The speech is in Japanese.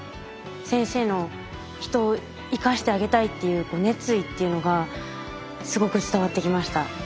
先生の人を生かしてあげたいっていう熱意っていうのがすごく伝わってきました。